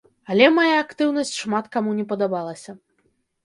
Але мая актыўнасць шмат каму не падабалася.